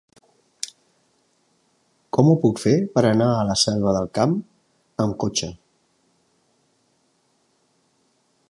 Com ho puc fer per anar a la Selva del Camp amb cotxe?